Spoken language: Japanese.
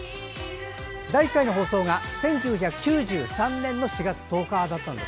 第１回の放送が１９９３年の４月１０日でした。